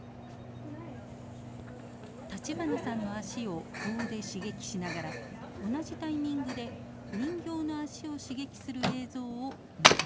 立花さんの足を棒で刺激しながら同じタイミングで人形の足を刺激する映像を見せます。